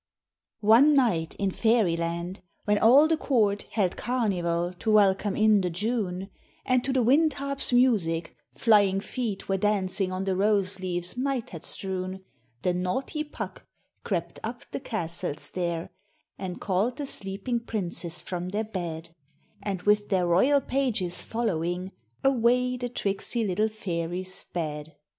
ONE night in Fairyland, when all the court Held carnival to welcome in the June, And to the wind harp's music, flying feet Were dancing on the rose leaves night had strewn; The naughty Puck crept up the castle stair, And called the sleeping princes from their bed; And with their royal pages following, Away the tricksy little fairies sped.